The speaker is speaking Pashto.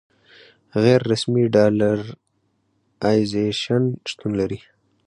غیر رسمي ډالرایزیشن شتون لري.